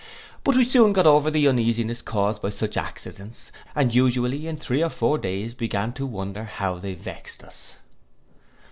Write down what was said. But we soon got over the uneasiness caused by such accidents, and usually in three or four days began to wonder how they vext us.